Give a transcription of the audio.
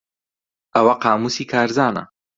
ئەوە قامووسی کارزانە.